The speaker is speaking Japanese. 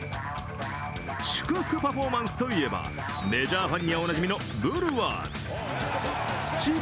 祝福パフォーマンスといえばメジャーファンにはおなじみのブルワーズ。